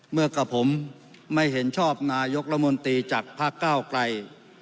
เมื่อกับผมไม่เห็นชอบนายกรัฐมนตรีจากภาคเก้าไกล